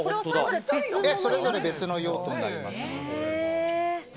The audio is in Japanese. それぞれ別の用途になります。